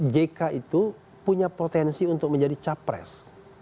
jk itu punya potensi untuk menjadi capres